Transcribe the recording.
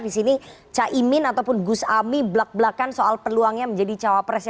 di sini caimin ataupun gus ami belak belakan soal peluangnya menjadi cawapres